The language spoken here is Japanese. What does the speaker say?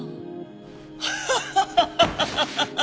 ハハハハ！